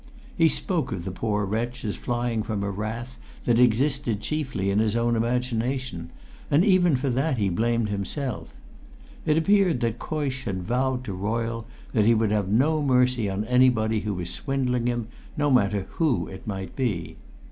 He spoke of the poor wretch as flying from a wrath that existed chiefly in his own imagination, and even for that he blamed himself. It appeared that Coysh had vowed to Royle that he would have no mercy on anybody who was swindling him, no matter who it might be.